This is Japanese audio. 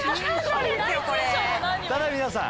ただ皆さん！